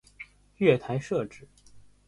月台设置